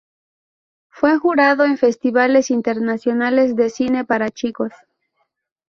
Fue jurado en festivales internacionales de cine para chicos.